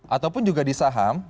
ataupun juga di saham